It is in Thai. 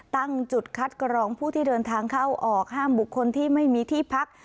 ตั้งจุดคัดกรองผู้ที่เดินทางเข้าออกห้ามบุคคลที่ไม่มีที่พัก